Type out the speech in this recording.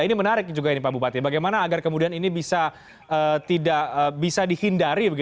ini menarik juga ini pak bupati bagaimana kemudian ini bisa dihindari